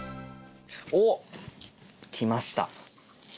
おっ！来ました。